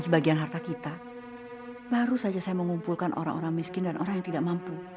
sebagian harta kita baru saja saya mengumpulkan orang orang miskin dan orang yang tidak mampu